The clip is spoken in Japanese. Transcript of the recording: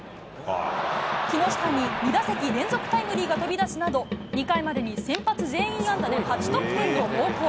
木下に２打席連続タイムリーが飛び出すなど、２回までに先発全員安打で８得点の猛攻。